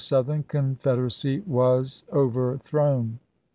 Southern Confederacy was overthrown."